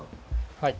はい。